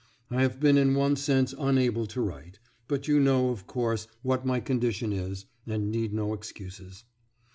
I have been in one sense unable to write, but you know, of course, what my condition is, and need no excuses.